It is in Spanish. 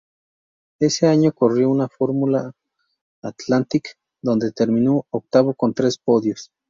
Ese año corrió en la Fórmula Atlantic, donde terminó octavo con tres podios.